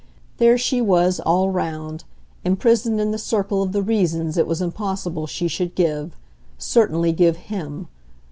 There she was, all round, imprisoned in the circle of the reasons it was impossible she should give certainly give HIM.